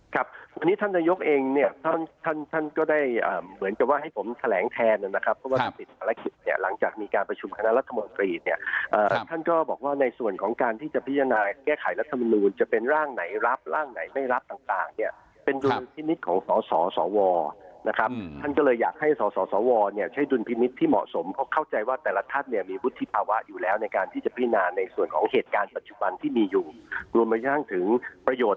ครับวันนี้ท่านนายกเองเนี่ยท่านท่านท่านก็ได้อ่าเหมือนกับว่าให้ผมแถลงแทนนะครับเพราะว่าติดภารกิจเนี่ยหลังจากมีการประชุมคณะรัฐมนตรีเนี่ยอ่าท่านก็บอกว่าในส่วนของการที่จะพิจารณาแก้ไขรัฐมนุมจะเป็นร่างไหนรับร่างไหนไม่รับต่างต่างเนี่ยเป็นดุลพิมพิมพิมพิมพิมพิมพิมพิมพิมพ